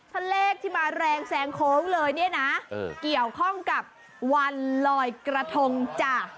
ถ้าเลขที่มาแรงแซงโค้งเลยเนี่ยนะเกี่ยวข้องกับวันลอยกระทงจ้ะ